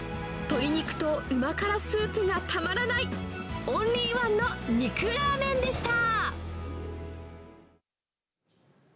鶏肉とうま辛スープがたまらない、オンリーワンの肉ラーメンでした。